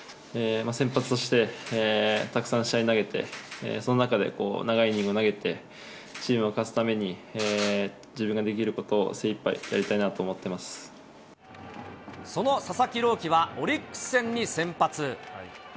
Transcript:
先発として、たくさん試合で投げて、その中で長いイニング投げて、チームが勝つために自分ができることを精いっぱいやりたいなと思その佐々木朗希はオリックス戦に先発。